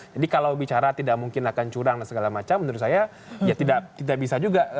kalau bicara tidak mungkin akan curang dan segala macam menurut saya ya tidak bisa juga